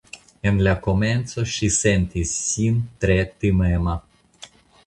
En la komenco ŝi sentis sin tre timema.